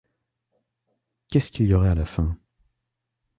Qu’est-ce qu’il y aurait à la fin